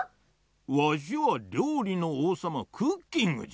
わしはりょうりのおうさまクッキングじゃ。